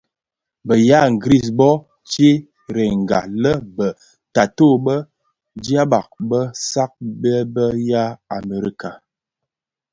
Bë ya ngris bö sherènga lè be taatôh bë dyaba bë saad bë bë ya Amerika.